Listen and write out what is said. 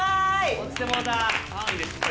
落ちてもうた。